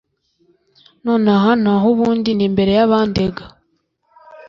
nonaha nahubundi nimbere yabandega